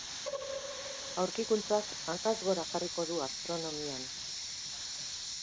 Aurkikuntzak hankaz gora jarriko du astronomian.